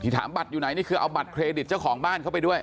ถามบัตรอยู่ไหนนี่คือเอาบัตรเครดิตเจ้าของบ้านเข้าไปด้วย